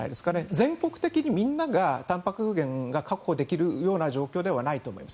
全国的にみんながたんぱく源を確保できるような状況ではないと思うんです。